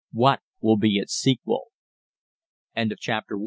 What will be its sequel?" CHAPTER II.